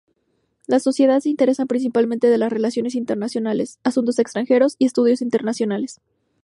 La sociedad se interesa principalmente de las relaciones internacionales, asuntos extranjeros y estudios internacionales.